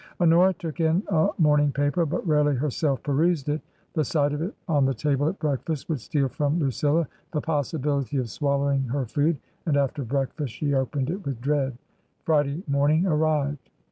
Honora took in a morning paper, but rarely herself perused it. The sight of it on the table at breakfast would steal from Lucilla the possi N / 25 290 TRANSITION, bility of swallowing her food ; and after breakfast she opened it with dread. Friday morning arrived.